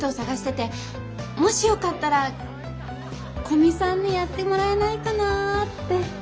もしよかったら古見さんにやってもらえないかなって。